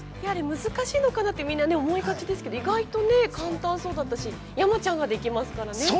◆難しいのかなって、みんな思いがちですけど意外とね、簡単そうだったし山ちゃんができますからね。